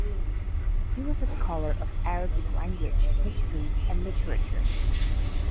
He was a scholar of Arabic language, history and literature.